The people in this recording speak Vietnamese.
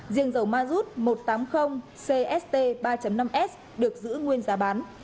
riêng dầu mazut một trăm tám mươi cst ba năm s được giữ nguyên giá bán